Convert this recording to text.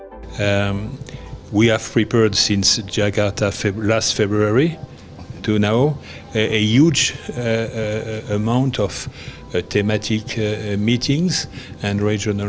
kami telah menyiapkan sejak februari terakhir jakarta untuk mengadakan banyak pertemuan dan pertemuan regional